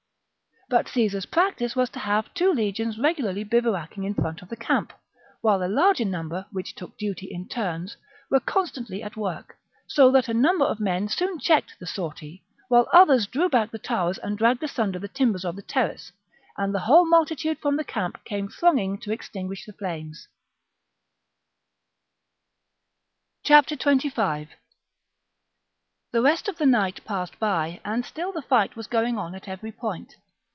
But Caesar's practice was to have two legions regularly bivouacking in front of the camp, while a larger number, which took duty in turns, were constantly at work ; so that a number of men soon checked the sortie, while others drew back the towers and dragged asunder the timbers of the terrace, and the whole multitude from the camp came throng ing to extinguish the flames. 25. The rest of the night passed by ; and still the fight was going on at every point.